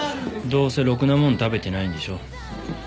どうせろくな物食べてないんでしょ？